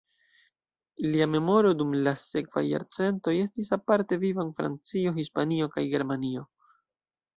Lia memoro dum la sekvaj jarcentoj estis aparte viva en Francio, Hispanio kaj Germanio.